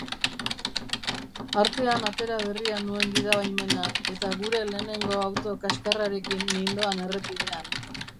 Artean atera berria nuen gidabaimena, eta gure lehenengo auto kaxkarrarekin nindoan errepidean.